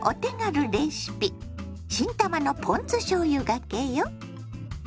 新たまのポン酢しょうゆがけよ。